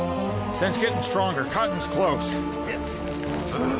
ああ。